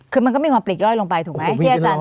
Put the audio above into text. คือมันก็มีความปลิกย่อยลงไปถูกไหม